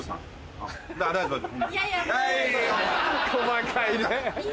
細かいねぇ！